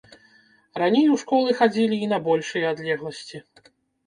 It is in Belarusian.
Раней у школы хадзілі і на большыя адлегласці.